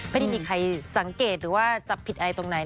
ไม่ได้มีใครสังเกตหรือว่าจับผิดอะไรตรงไหน